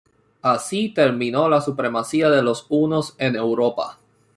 Así terminó la supremacía de los hunos en Europa.